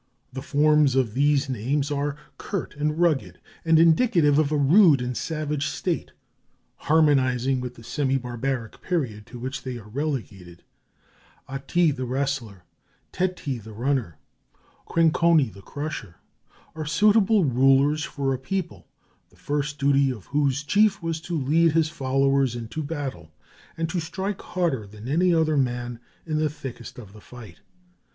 The forms of these names are curt and rugged, and indicative of a rude and savage state, harmonizing with the semi barbaric period to which they are relegated: Ati the Wrestler, Teti the Runner, Qeunqoni the Crusher, are suitable rulers for a people the first duty of whose chief was to lead his followers into battle, and to strike harder than any other man in the thickest of the fight.